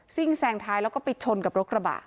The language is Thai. ่งแซงท้ายแล้วก็ไปชนกับรถกระบะ